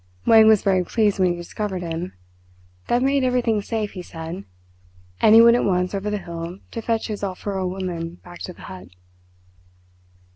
Wang was very pleased when he discovered him. That made everything safe, he said, and he went at once over the hill to fetch his Alfuro woman back to the hut."